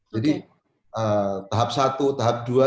jadi tahap satu tahap dua